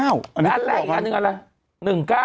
อันหนึ่งอะไร